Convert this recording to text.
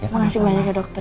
terima kasih banyak ya dokter